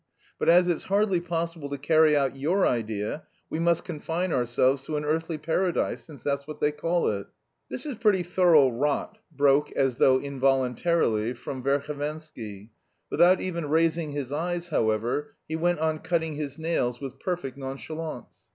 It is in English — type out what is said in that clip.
But as it's hardly possible to carry out your idea, we must confine ourselves to an earthly paradise, since that's what they call it." "This is pretty thorough rot," broke, as though involuntarily, from Verhovensky. Without even raising his eyes, however, he went on cutting his nails with perfect nonchalance.